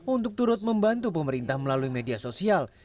untuk turut membantu pemerintah melalui media sosial